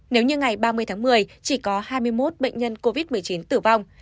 nếu như ngày ba mươi tháng một mươi chỉ có hai mươi một bệnh nhân covid một mươi chín tử vong